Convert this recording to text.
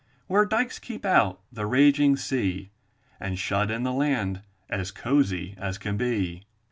Where dykes keep out the raging sea, And shut in the land as cozy as can be.